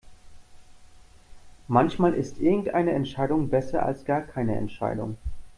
Manchmal ist irgendeine Entscheidung besser als gar keine Entscheidung.